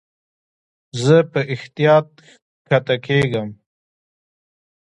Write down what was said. زه په احتیاط کښته کېږم.